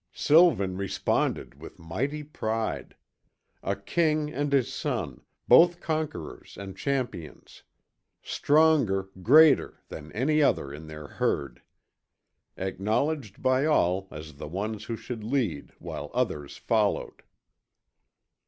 Sylvan responded with mighty pride. A king and his son, both conquerors and champions. Stronger, greater, than any other in their herd. Acknowledged by all as the ones who should lead while others followed.